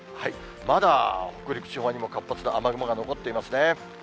まだ北陸地方にも活発な雨雲が残っていますね。